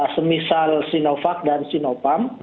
semisal sinovac dan sinopam